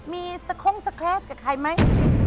มีสโค้งสเคลสกับใครไหม